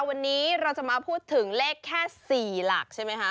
วันนี้เราจะมาพูดถึงเลขแค่๔หลักใช่ไหมคะ